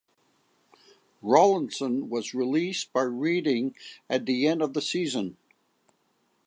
Rollinson was released by Reading at the end of the season.